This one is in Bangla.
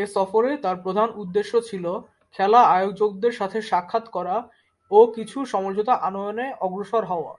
এ সফরে তাঁর প্রধান উদ্দেশ্য ছিল খেলা আয়োজকদের সাথে সাক্ষাৎ করা ও কিছু সমঝোতা আনয়ণে অগ্রসর হওয়া।